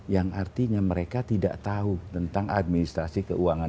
yang artinya mereka tidak tahu tentang administrasi keuangan